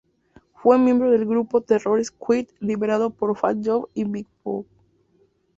Fue miembro del grupo Terror Squad, liderado por Fat Joe y Big Pun.